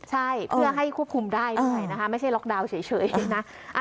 ใช่เพื่อให้ควบคุมได้ด้วยนะคะไม่ใช่ล็อกดาวน์เฉยนะ